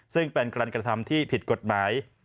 ซึ่งเป็นการกระทำที่ผิดกฎหมาย